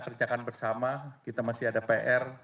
kerjakan bersama kita masih ada pr